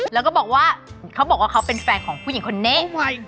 แล้วก็บอกว่าเขาบอกว่าเขาเป็นแฟนของผู้หญิงคนนี้